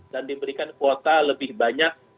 dan diberikan kuota lebih banyak